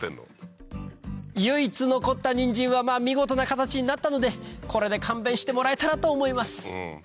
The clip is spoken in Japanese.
唯一残ったニンジンはまぁ見事な形になったのでこれで勘弁してもらえたらと思います